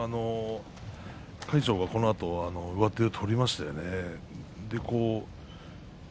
魁勝はこのあと上手を取りましたよね。